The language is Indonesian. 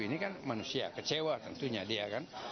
ini kan manusia kecewa tentunya dia kan